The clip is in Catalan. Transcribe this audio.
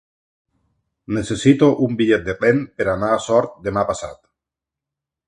Necessito un bitllet de tren per anar a Sort demà passat.